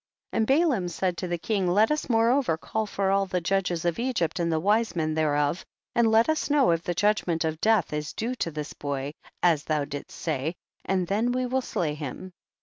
20. And Balaam said to the king, let us moreover call for all the judges of Egypt and the wise men thereof, and let us know if tiic judgment of death is due to this boy as thou didst say, and then we will slay him.